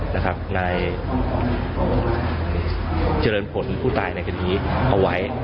นายเจริญผลผู้ตายในคดีเอาไว้